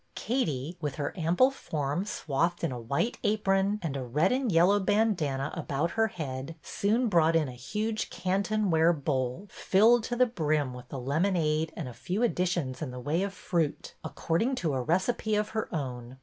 Katie, with her ample form swathed in a white apron and a red and yellow bandanna about her head, soon brought in a huge Canton ware bowl, filled to the brim with the lemonade and a few additions in the way of fruit, according to a recipe of her own.